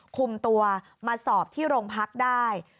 คุมตัวมาสอบที่โรงพักได้